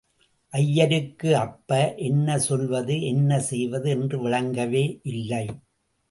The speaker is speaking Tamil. ஐயருக்கு, அப்ப—என்ன சொல்வது, என்ன செய்வது என்று விளங்கவே இல்லை.